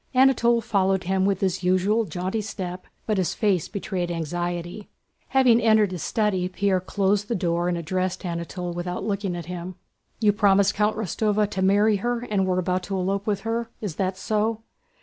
Anatole followed him with his usual jaunty step but his face betrayed anxiety. Having entered his study Pierre closed the door and addressed Anatole without looking at him. "You promised Countess Rostóva to marry her and were about to elope with her, is that so?"